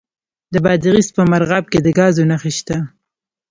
د بادغیس په مرغاب کې د ګازو نښې شته.